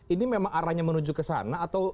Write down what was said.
ini memang arahnya menuju ke sana atau